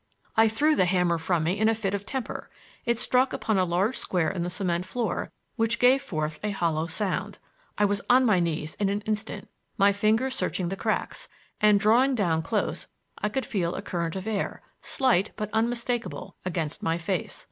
I threw the hammer from me in a fit of temper; it struck upon a large square in the cement floor which gave forth a hollow sound. I was on my knees in an instant, my fingers searching the cracks, and drawing down close I could feel a current of air, slight but unmistakable, against my face.